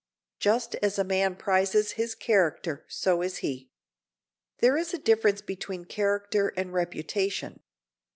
Just as a man prizes his character so is he. There is a difference between character and reputation.